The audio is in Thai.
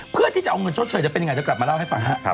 เพื่อที่จะเอาเงินชดเฉยจะเป็นยังไง